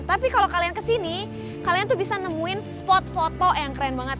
tapi kalau kalian kesini kalian tuh bisa nemuin spot foto yang keren banget